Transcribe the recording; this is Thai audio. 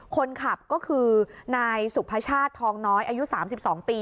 คนขับก็คือนายสุพชาติทองน้อยอายุ๓๒ปี